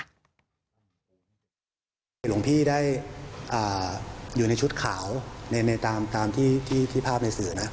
คือหลวงพี่ได้อยู่ในชุดขาวในตามที่ภาพในสื่อนะ